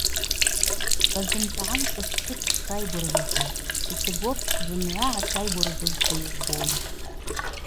Базымцӏгӏан шӏыц-шӏыц сшайгвыргъьахыз – Пятигорск зымгӏва гӏасайгвыргъьузшва йызбун.